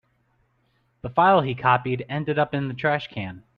The file he copied ended up in the trash can.